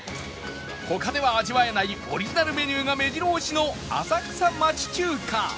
他では味わえないオリジナルメニューがめじろ押しの浅草町中華